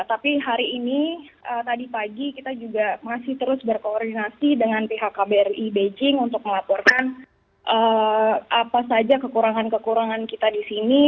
tapi hari ini tadi pagi kita juga masih terus berkoordinasi dengan pihak kbri beijing untuk melaporkan apa saja kekurangan kekurangan kita di sini